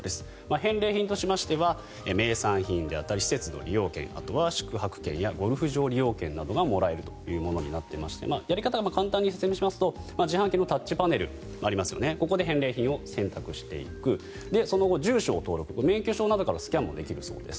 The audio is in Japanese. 返礼品としては名産品であったり施設の利用券あとは宿泊券やゴルフ場利用券などがもらえるというものになっていましてやり方を簡単に説明しますと自販機のタッチパネルで返礼品を選択していくその後、住所を登録免許証などからスキャンもできるそうです。